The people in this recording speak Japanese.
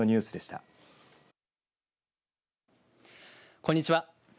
こんにちは。